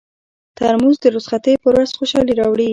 ترموز د رخصتۍ پر ورځ خوشالي راوړي.